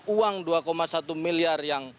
uang dua satu miliar yang